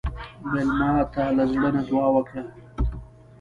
مېلمه ته له زړه نه دعا وکړه.